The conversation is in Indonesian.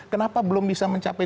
kenapa belum bisa mencapai